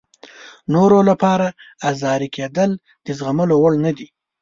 نورو لپاره ازاري کېدل د زغملو وړ نه وي.